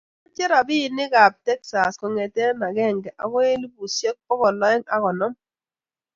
Amache robinik kab Texas kongete agenge agoi elubushek bokol aeng ago konom